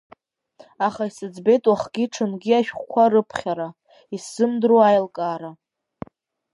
Аха исыӡбеит уахгьы-ҽынгьы ашәҟәқәа рыԥхьара, исзымдыруа аилкаара…